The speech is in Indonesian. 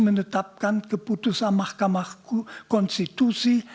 menetapkan keputusan mahkamah konstitusi